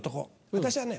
私はね